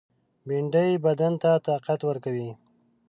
بېنډۍ بدن ته طاقت ورکوي